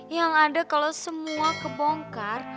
yang ada kalau semua kebongkar